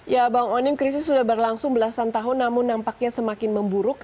ya bang onim krisis sudah berlangsung belasan tahun namun nampaknya semakin memburuk